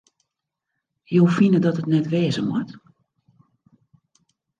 Jo fine dat it net wêze moat?